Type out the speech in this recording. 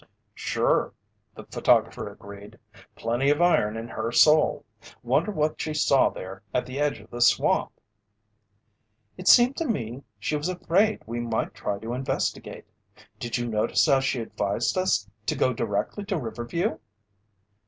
"Sure," the photographer agreed. "Plenty of iron in her soul. Wonder what she saw there at the edge of the swamp?" "It seemed to me she was afraid we might try to investigate. Did you notice how she advised us to go directly to Riverview?"